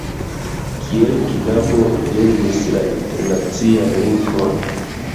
Kiel knabo li lernis la internacian lingvon.